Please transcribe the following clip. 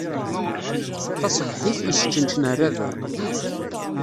Taṣebḥit, isčenčen rrabay.